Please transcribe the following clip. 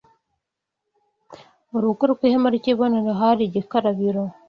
Mu rugo rw’ihema ry’ibonaniro hari igikarabiro